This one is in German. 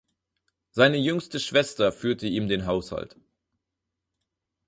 Seine jüngste Schwester führte ihm den Haushalt.